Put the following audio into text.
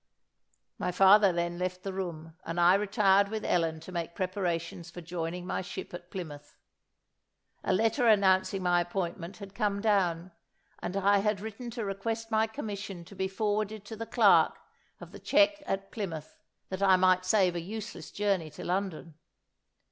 My father then left the room, and I retired with Ellen to make preparations for joining my ship at Plymouth. A letter announcing my appointment had come down, and I had written to request my commission to be forwarded to the clerk of the cheque at Plymouth, that I might save a useless journey to London.